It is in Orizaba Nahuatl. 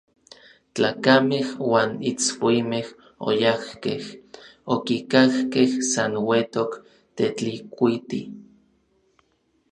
Tlakamej uan itskuimej oyajkej, okikajkej san uetok Tetlikuiti.